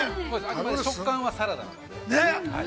あくまで食感はサラダなので。